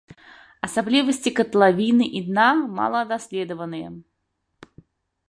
Асаблівасці катлавіны і дна мала даследаваныя.